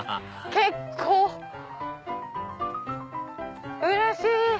結構うれしい！